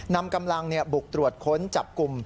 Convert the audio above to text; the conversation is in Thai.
นำกำลังบุกตรวจค้นจับกลุ่ม